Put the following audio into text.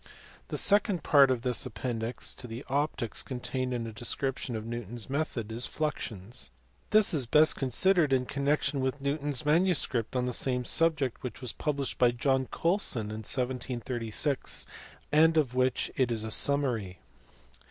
The second part of this appendix to the Optics contained a description of Newton s method of fluxions. This is best con sidered in connection with Newton s manuscript on the same subject which was published by John Colsoii in 1736, and of which it is a summary.